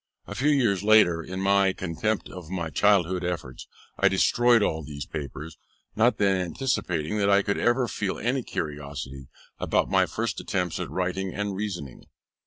A few years later, in my contempt of my childish efforts, I destroyed all these papers, not then anticipating that I could ever feel any curiosity about my first attempts at writing and reasoning.